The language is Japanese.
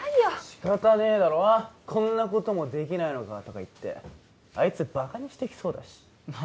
しかたねえだろこんなこともできないのかとか言ってあいつバカにしてきそうだしま